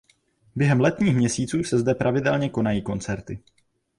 Během letních měsíců se zde pravidelně konají koncerty.